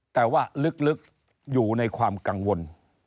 แต่ว่าลึกอยู่ในความกังวล